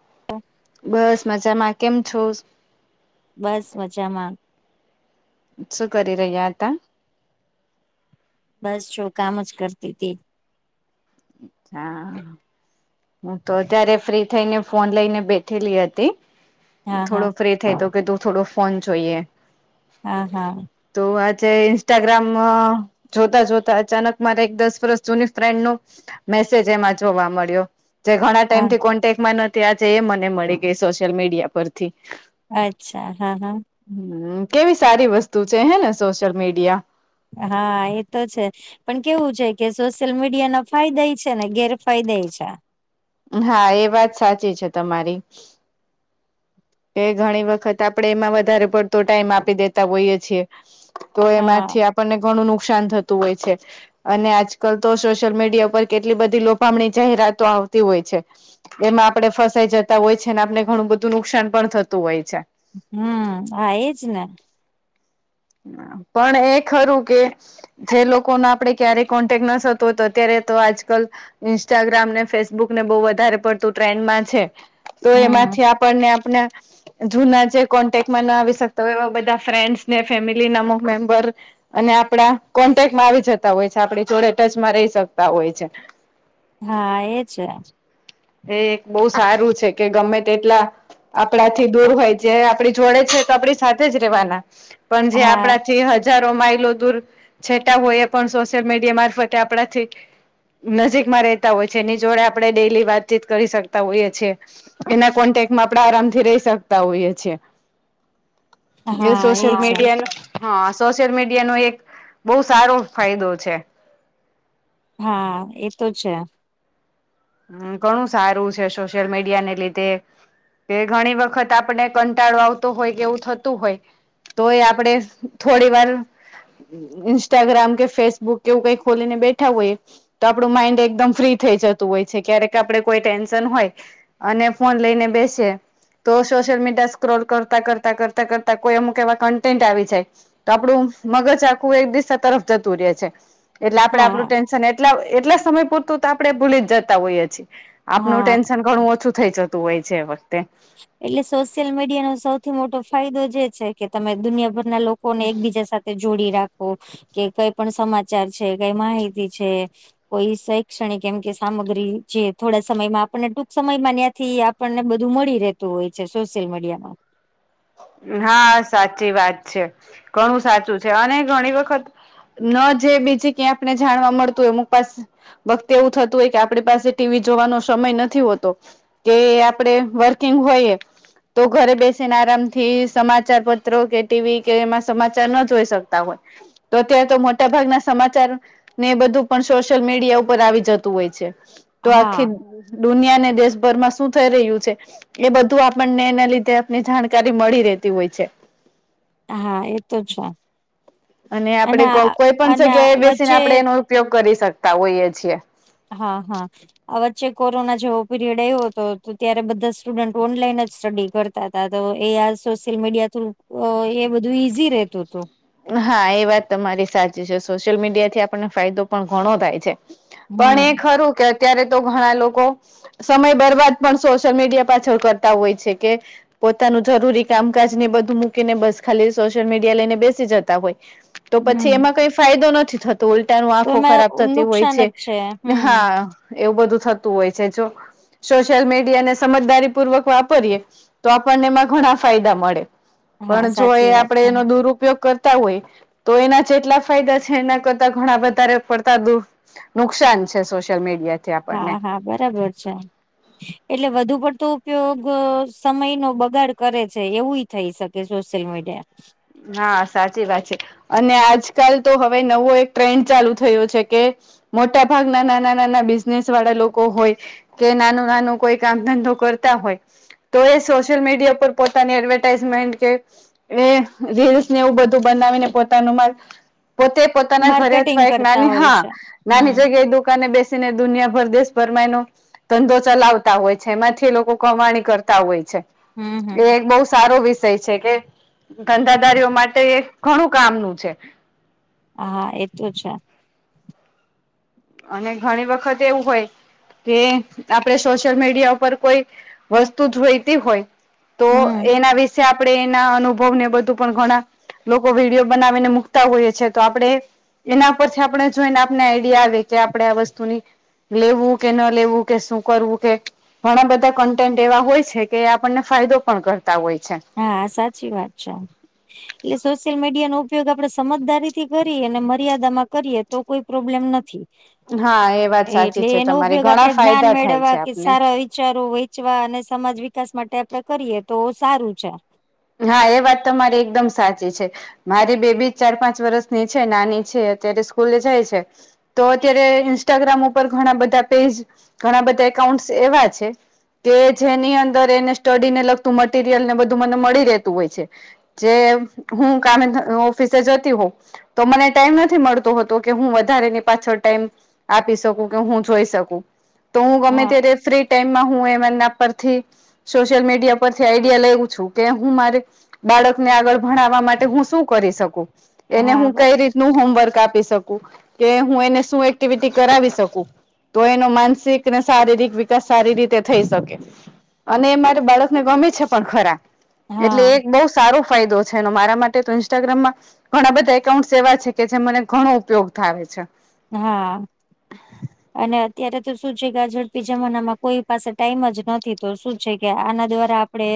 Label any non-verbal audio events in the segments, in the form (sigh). (inaudible) બસ મજામાં કેમ છો? બસ મજામાં. શું કરી રહ્યા હતા? બસ જો કામ જ કરતી હતી. અચ્છા! હું તો અત્યારે ફ્રી થઈને ફોન લઈને બેઠેલી હતી. હા હા થોડુ ફ્રી થઈ તો કે તું થોડો ફોન જોઈએ. હા હા તો આજે ઇન્સ્ટાગ્રામમાં જોતા જોતા અચાનક મારે એક દસ વર્ષ જૂની ફ્રેન્ડ નો મેસેજ એમાં જોવા મળ્યો જે ઘણા હા ટાઈમથી કોન્ટેકમાં ન થી આજે એ મને મળી ગઈ સોશિયલ મીડિયા પરથી અચ્છા હા હા. હમ્મ કેવી સારી વસ્તુ છે હે ને સોશિયલ મીડિયા હા એતો છે. પણ કેવું છે કે સોશિયલ મીડિયા ના ફાયદા એ છે ને ગેરફાયદા એ છે. હા એ વાત સાચી છે તમારી એ ઘણી વખત આપડે એમાં વધારે પડતો ટાઈમ આપી દેતા હોઈએ છીએ. તો હા એમાંથી આપણને ઘણું નુકસાન થતું હોય છે. અને આજકાલ તો સોશિયલ મીડિયા પર કેટલી બધી લોફામની જાહેરાતો આવ તી હોય છે એમાં આપણે ફસાઈ જતા હોય છે ને આપને ઘણું બધું નુકસાન પણ થતું હોય છે. હમ્મ હા એજ ને. હા પણ એ ખરું કે જે લોકોનો આપડે ક્યારે કોન્ટેક્ટ ન થતો હોય તો અત્યારે તો આજકાલ ઇન્સ્ટાગ્રામ ને ફેસબુક ને બહુ વધારે પડતું ટ્રેન્ડમાં છે તો હમ એમાંથી આપણને ને જૂના જે કોન્ટેકમાં ના આવી શકતો હોય એવા બધા ફ્રેન્ડસને ફેમિલીન અમુક મેમ્બર અને આપણા કોન્ટેક્ટમાં આવી જતા હોય છે આપડી જોડે ટચમાં રહી શકતા હોય છે. હા એ છે. એ એક બહુ સારું છે કે ગમે તે એટલા આપણાથી દૂર હોય છે આપડી જોડે છે તો આપડી સાથે જ રેવાના પણ જે હા આપણાથી હજ હજારો માઇલો દૂર છેટા હોય એ પણ સોશિયલ મીડિયા મારફતે આપણાથી નજીકમાં રહેતા હોય છે એની જોડે આપણે ડેલી વાતચીત કરી શકતા હોઈએ છીએ. એના કોન્ટેકમાં આપણે આરામથી રહી શકતા હોઈએ છીએ. એ હા સોશિયલ છે મીડિયા હા સોશિયલ મીડિયા નો એક બહુ સારો ફાયદો છે. હા એતો છે. હમ્મ ઘણું સારું છે સોશિયલ મીડિયા ને રિલેટેડ કે ઘણી વખત આપને કંટાળો આવતો હોય, કે એવું થતું હોય. તો એ આપડે થોડી વાર. ઇસ્ટાગ્રામ કે ફેસબુક કેવું કઈ ખોલીને બેઠા હોય. તો આપણું માઇન્ડ એકદમ ફ્રી થઈ જતું હોય છે. ક્યારેક આપડે કોઈ ટેન્શન હોય. અને ફોન લઈને બેસે. તો સોશિયલ મીડિયા સ્ક્રોલ કરતા કરતા કરતાં કરતા કોઈ અમુક એવા કન્ટેન્ટ આવી જાય. તો આપડું મગજ આખું એક દિશ તરફ જતું રહેે છે. એટલે આપડે હા આપણું ટેન્શન એટલા એટલા સમય પૂરતું તો આપણેે ભૂલી જ જતા હોઈએ છીએ. આપનું હા ટેન્શન ઘણું ઓછું થઇ જતું હોય છે એ વખતે. એટલે સોશિયલ મીડિયાનો સૌથી મોટો ફાયદો જે છે કે તમે દુનિયાભરના લોકો. કોને એકબીજા સાથે જોડી રાખો કે કઈ પણ સમાચાર છે કઈ માહિતી છે. કોઈ શૈક્ષણિક એમ કે સામગ્રી જે થોડા સમયમાં આપણને ટૂંક સમયમાં ત્યાંથી આપણને બધું મળી રહેતું હોય છે સોશિયલ મીડિયા માં હા સાચી વાત છે ઘણું સાચું છે અને ઘણી વખત ન જે બીજી ક્યાં આપને જાણવા મળતું હો એમુ પાસે વક્તે એવું થતું હોય કે આપણી પાસે ટીવી જોવાનો સમય નથી હોતો. કે આપડે વર્કિંગ હોઈયએ તો ઘરે બેસીને આરામ. થી સમાચાર પત્રો કે ટીવી કે એમાં સમાચાર ના જોઈ શકતા હોય. તો અત્યારે તો મોટા ભાગના સમાચાર ને એ બધું પણ સોશિયલ મીડિયા ઉપર આવી જતું હોય છે તો હા આખી દુનિયાને દેશભરમાં શું થઈ રહ્યું છે એ બધું આપણને એના લીધે આપને જાણકાર ત્યા થી મળી રહેતી હોય છે. હા એ તો છે. અને આપણેે આ કોઈ પણ અને આ જગ્યાએ બેસીને વચ્ચે આપણે એનો ઉપયોગ કરી શકતા હોઈએ છીએ. હા હા. આ વચ્ચે કોરોના જેવો પીરિયડ આવ્યો હતો તો ત્યારે બધા સ્ટુડન્ટ ઓનલાઈન જ સ્ટડી કરતા ત તા તો એ આ સોશિયલ મીડિયા થુ એ બધું ઈઝી રેતું હતું. હા એ વાત તમારી સાચી છે સોશિયલ મીડિયા થી આપણને ફાયદો પણ ઘણો થાય છે. પણ એ હમ ખરું કે અત્યારે તો ઘણા લોકો સમય બરબાદ પણ સોશિયલ મીડિયા પાછળ કરતા હોય છે કે પોતાનું જરૂરી કામકાજ ને બધું મૂકીને બસ ખાલી સોશિયલ મીડિયા લઈને બે જે જતા હોય તો પછી હમ એમાં કઈ ફાયદો નથી થતો. તો ઉલટા ન તો આંખો ખરાબ એમાં થતી હોય નુકસાન છે જ હમ હા એવું બધું થતું હોય છે જો સોશિયલ મીડિયાને સમજદારી પૂર્વક વાપરીયએ. તો આપણને એમાં ઘણા ફાયદા મળે હા પણ જો એ સાચી વાત આપડે છે એનો દૂર કરતા હોય તો એના જેટલા ફાયદા છે એના કરતા ઘણા વધારે પડતા દૂર નુકસાન છે સોશિયલ મીડિયાથી હા આપણને હા બરાબર છે. એટલે વધુ પડતો ઉપયોગ સમય નો બગાડ કરે છે એવું થઈ શકે સોશ્યલ મીડિયા હા સાચી વાત છે. અને આજકાલ તો હવે નવો એક ટ્રેન્ડ ચાલુ થયો છે કે મોટા ભાગના નાના નાના બિઝનેસ વાળા લોકો હોય. કે નાનું નાનું કોઈ કામ ધંધો કરતા હોય. તો એ સોશિયલ મીડિયા પર પોતાની એડવર્ટાઈઝમેન્ટ કે એ રીલ્સ ને એવું બધું બનાવીને પોતાનું મા પોતે પોતાના ઘરે માર્કેટિંગ અથવા એક કરતા નાની હોય હા છે નાની હમ જગ્યાએ દુકાને બેસી ને દુનિયા ભર દેશ ભરમાં એનો ધંધો ચલાવતા હોય છે એમાંથી લોકો કમાણી કરતા હોય છે હમ તો હમ એ બહુ સારો વિષય છે કે ધંધાદારીઓ માટે એ ઘણું કામનું છે હા હા એ તો છે અને ઘણી વખત એવું હોય કે આપડ સોશિયલ મીડિયા ઉપર કોઈ વસ્તુ જોઈતી હોય તો હમ એના વિશે આપણે એના અનુભવ ને બધું પણ ઘણા લોકો વિડીયો બનાવીને મુૂકતા હોઈએ છે તો આપણે એના પરથી આપણે જોઈને આપને આઈડિયા આવે કે આપણે આ વસ્તુની લેવું કે ન લેવું કે શું કરવું કે ઘણા બધા કન્ટેન્ટ એવા હોય છે કે એ આપણને ફાયદો પણ કરતા હોય છે હા સાચી વાત છે એટલે સોશિયલ મીડિયા નો ઉપયોગ આપડે સમજદારીથી કરીએ અને મર્યાદામાં કરીએ તો કોઈ પ્રોબ્લેમ નથી હા એ વાત સાચી એટલે છે એનો તમારી ઉપયોગ ઘણા આપડે જ્ઞાન ફાયદા થાય છે મેળવવા કે આપને સારા વિચારો હોય વચવા અને સમાજ વિકાસ માટે આપડે કરીએ તો સારું છે હા એ વાત તમારી એકદમ સાચી છે મારી બેબી ચાર પાંચ વર્ષની છે નાની છે અત્યારે સ્કૂલે જાય છે તો અત્યારે ઇન્સ્ટાગ્રામ ઉપર ઘણા બધા પેજ ઘણા બધા એકાઉન્ટ એવા છે કે જેની અંદર એને સ્ટડીને લગતું મટરિયલ ને બધું મને મળી રહેતું હોય છે જે હું કામે ઓફિસે જોતી હો તો મને ટાઈમ નથી મળતોતો કે હું વધારે ની પાછળ ટાઈમ આપી શકું કે હું જોઈ શકું તો હું ગમે હા ત્યારે ફ્રી સોલ મીડિયા પરથી આઈડિયા લેું છું કે હું મારે બાળક ને આગળ ભણાવવા માટે હું શું કરી શકું એને હા હું કઈ બરાબર રીતનું હોમવર્ક આપી શકું કે હું એને શું એક્ટિવિટી કરાવી શકું તો એનો માનસિક અને શારીરિક વિકાસ સારી રીતે થઈ શકે અને એ મારે બાળકને ગમે છે પણ ખરા એટલે હા એક બહુ સારો ફાયદો છે એનો મારા માટે તો ઇન્સ્ટાગ્રામમાં ઘણા બધા એકાઉન્ટ એવા છે કે જે મને ઘણો ઉપયોગ થાય છે હા અને અત્યારે તો શું છે કે ઝડપી જમાનામાં કોઈ પાસે ટાઈમ જ નથી તો શું છે કે આના દ્વારા આપડે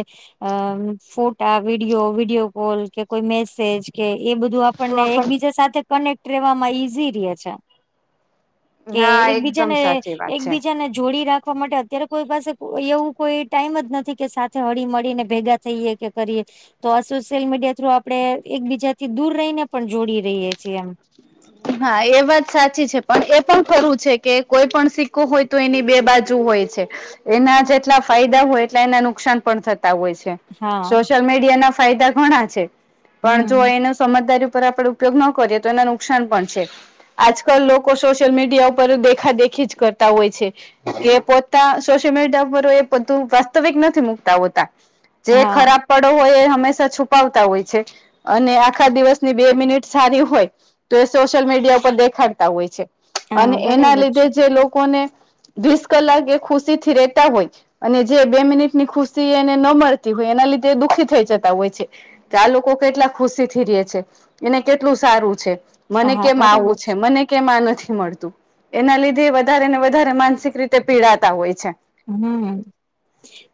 અમ ફોટા વિડીિયો વિડીયો કોલ કે કોઈ મેસેજ કે એ બધું તો આપણને આપણ એકબીજા સાથે કનેક્ટ રેવામાં ઈઝી રે છે કે હા એકદમ એકબીજાને સાચી વાત છે એકબીજાને જોડી રાખવા માટે ત્યારે કોઈ પાસે એવું કોઈ ટાઈમ જ નથી કે સાથે હળી મળીને ભેગા થઈએ કે કરીએ તો આ સોશિયલ મીડિયા થ્રુ આપણે એકબીજાથી દૂર રહીને પણ જોડી રહીએ છીએ એમ હા એ વાત સાચી છે પણ એ પણ ખરું છે કે કોઈ પણ સિક્કો હોય તો એની બે બાજુ હોય છે એના જેટલા ફાયદા હોય એટલા એના નુકસાન પણ થતા હોય છે હા સોશિયલ મીડિયા ના ફાયદા ઘણા છે પણ જો હમ એનો સમજદારી ઉપર આપડ ઉપયોગ ન કરીએ તો એના નુકસાન પણ છે આજકાલ લોકો સોશિયલ મીડિયા ઉપર દેખા દેખી જ કરતા હોય છે એ પોતા સોશિયલ મીડિયા પર એ બધું વાસ્તવિક નથી મુકતા હોતા જે હા ખરાબ પડો હોય એ હંમેશા છુપાવતા હોય છે અને આખા દિવસની બે મિનિટ સારી હોય તો એ સોશિયલ મીડિયા ઉપર દેખાડતા હોય છે અને હા એના બરાબર લીધે છે જે લોકોને વીસ કલાક એ ખુશી થી રેતા હોય અને જે બે મિનિટ ની ખુશી એને ન મળતી હોય એના લીધે દુઃખી થઈ જતા હોય છે કે આ લોકો કેટલા ખુશી થી રે છે એને કેટલું સારું છે મને હા કેમ આવું બરાબર છે મને કેમાં નથી મળતું એના લીધે વધારે ને વધારે માનસિક રીતે પીડાતા હોય છે હમ્મ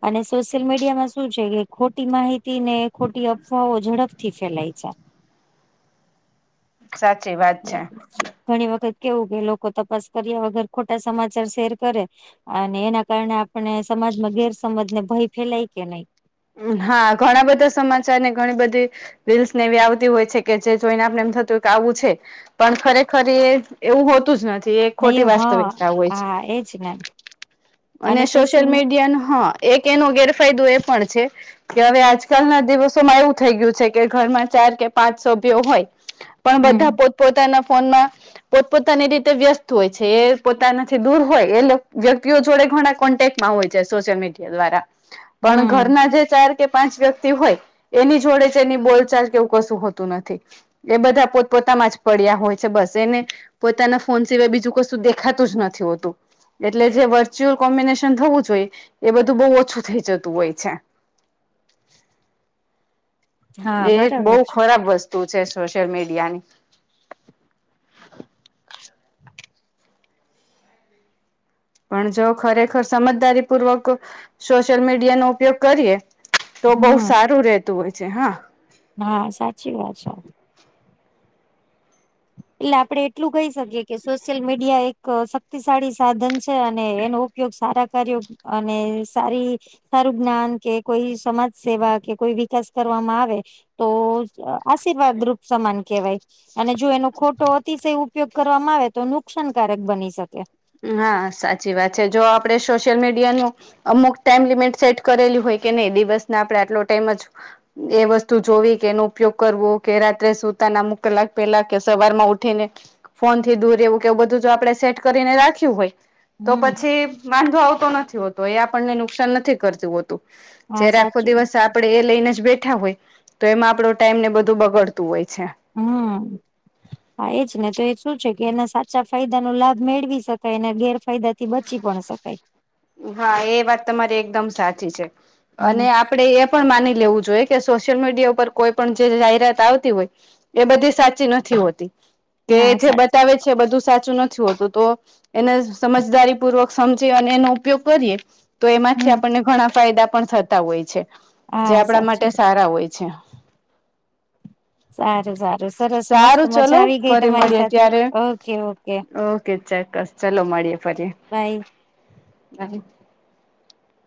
અને સોશિયલ મીડિયામાં શું છે કે ખોટી માહિતી ને ખોટી અફવાઓ ઝડપથી ફેલાય છે સાચી વાત છે ઘણી વખત કેવું કે લોકો તપાસ કર્યા વગર ખોટા સમાચાર શેર કરે અને એના કારણે આપણે સમાજમાં ગેરસમજને ભય ફેલાય કે નહી હા ઘણા બધા સમાચાર ને ઘણી બધી વિલ્સ ને એવી આવતી હોય છે કે જે જોઈને આપણે એમ થતું કે આવું છે પણ ખરેખર એ એવું હોતું જ નથી થી એ નહી ખોટી હા વાસ્તવિકતા હોય છે હા એજ ને અને સોશિયલ મીડિયા ન હા એક એનો ગેરફાયદો એ પણ છે કે હવે આજકાલ ના દિવસોમાં એવું થઈ ગયું છે કે ઘરમાં ચાર કે પાંચ સભ્યો હોય પણ બધા હમ પોતપોતાના ફોનમાં પોતપોતાની રીતે વ્યસ્ત હોય છે એ પોતાનાથી દૂર હોય એ વ્યક્તિઓ જોડે ઘણા કોન્ટેક્ટ માં હોય છે સોશિયલ મીડિયા દ્વારા પણ હમ ઘરના જે ચાર કે પાંચ વ્યક્તિ હોય એની જોડે જ એની બોલચાલ કેવું કશું હોતું નથી એ બધા પોતપોતામાં જ પડ્યા હોય છે બસ એને પોતાના ફોન સિવાય બીજું કશું દેખાતું જ નથી હોતું એટલે જે વર્ચ્યુઅલ કોમ્બિનેશન થવું જોઈએ એ બધું બહુ ઓછું થઇ જતું હોય છે હા એ એક બહુ બરાબર છે ખરાબ વસ્તુ છે સોશિયલ મીડિયાની પણ જો ખરેખર સમજદારી પૂર્વક સોશિયલ મીડિયાનો ઉપયોગ કરીએ તો બહુ હમ સારું રતું હોય છે હા હા સાચી વાત છે એટલે આપડે એટલું કહી શકીએ કે સોશિયલ મીડિયા એક શક્તિશાળી સાધન છે અને એનો ઉપયોગ સારા કર્યો અને સારી સારું જ્ઞાન કે કોઈ સમાજ સેવા કે કોઈ વિકાસ કરવામાં આવે તો આશીર્વાદ રૂપ સમાન કહેવાય અને જો એનું ખોટો અતિશય ઉપયોગ કરવામાં આવે તો નુકસાનકારક બની શકે હા સાચી વાત છે જો આપડે સોશિયલ મીડિયાનું અમુક ટાઈમ લિમિટ સેટ કરેલી હોય કે નહી દિવસ ના આપડણે આટલો ટાઈમ જ એ વસ્તુ જોવી કે એનો ઉપયોગ કરવો કે રાત્રે સુતાનામુક કલાક પહેલા કે સવારમાં ઉઠીને ફોન થી દૂર એવું કે એવ બધું જો આપડ સેટ કરીને રાખ રાખ્યું હોય તો હમ પછી વાંધો આવતો નથી હોતો એ આપણને નુકસાન નથી કરતું હોતું હા જયારે આખો સાચી વાત દિવસ છે આપડે એ લઈને જ બેઠા હોય તો એમાં આપણો ટાઈમ ને બધું બગડતું હોય છે હમ્મ હા એજ ને તો એ શું છે કે એના સાચા ફાયદા ન લાભ મેળવી શકાય એ ગેરફાયદા થી બચી પણ શકાય. હા એ વાત તમારી એકદમ સાચી છે. અને હમ આપ પણે એ પણ માની લેવું જોઈએ કે સોશિયલ મીડિયા ઉપર કોઈ પણ જે જાહેરાત આવતી હોય એ બધી સાચી નથી હોતી, કે ના જે સાચ બતાવે છે એ બધું સાચું નથ થી હોતું, તો એને સમજદારી પૂર્વક સમજી અને એનો ઉપયોગ કરીએ તો એમાંથી હમ આપણને ઘણા ફાયદા પણ થતા હોય છે. જે હા આપણા સાચી માટે સારા હોય છે. સારું-સારું. સરસ, મસ્ત સારું મજા ચલો આવી ગઈ ફરી તમારી મળીએ સાથે. ત્યારે ઓકે-ઓકે. ઓકે ચોક્કસ, ચલો મળીએ ફરી. બાય. (unintelligible)